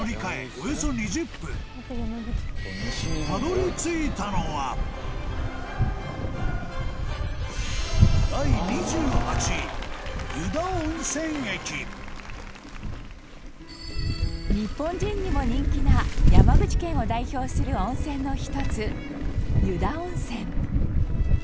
およそ２０分たどり着いたのは日本人にも人気な山口県を代表する温泉の１つ湯田温泉